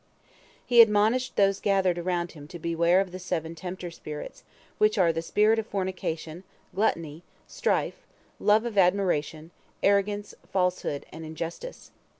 He admonished those gathered around him to beware of the seven tempter spirits, which are the spirit of fornication, gluttony, strife, love of admiration, arrogance, falsehood, and injustice.